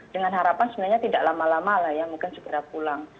dengan harapan sebenarnya tidak lama lama lah ya mungkin segera pulang